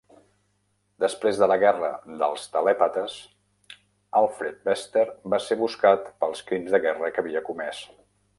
Després de la Guerra dels Telèpates, Alfred Bester va ser buscat pels crims de guerra que havia comès.